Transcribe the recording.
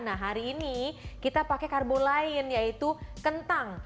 nah hari ini kita pakai karbo lain yaitu kentang